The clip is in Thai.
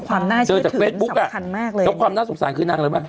ความน่าเชื่อถือมันสำคัญมากเลยแล้วความน่าสงสารคือนางเลยว่า